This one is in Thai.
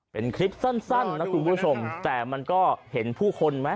เป็นคลิปสั้นนะคุณผู้ชมแต่มันก็เห็นผู้คนไหม